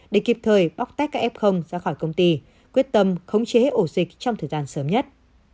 để kịp thời bóc tách các f ra khỏi công ty quyết tâm khống chế ổ dịch trong thời gian sớm nhất